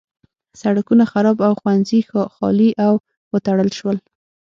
سړکونه خراب او ښوونځي خالي او وتړل شول.